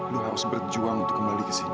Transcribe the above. lo harus berjuang untuk kembali ke sini